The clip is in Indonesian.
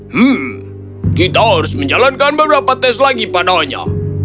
hmm kita harus menjalankan beberapa tes lagi padanya